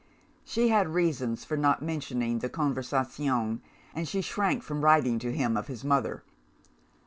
She had reasons for not mentioning the conversazione; and she shrank from writing to him of his mother.